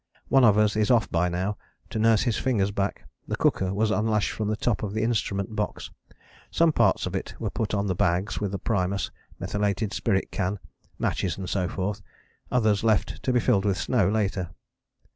One of us is off by now to nurse his fingers back. The cooker was unlashed from the top of the instrument box; some parts of it were put on the bags with the primus, methylated spirit can, matches and so forth; others left to be filled with snow later.